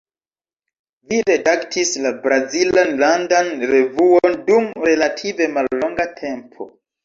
Vi redaktis la brazilan landan revuon dum relative mallonga tempo.